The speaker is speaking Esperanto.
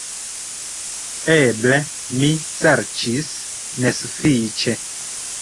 Eble mi serĉis nesufiĉe.